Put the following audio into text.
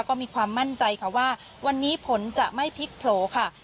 ก็มีความมั่นใจค่ะว่าวันนี้ผลจะไม่พลิกโผล่ค่ะ